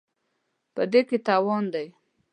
په دې کې تاوان دی.